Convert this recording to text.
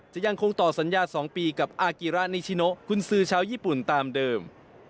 จะยังคงต่อสัญญา๒ปีกับอากิระนิชิโนกุญซือชาวญี่ปุ่นตามเดิม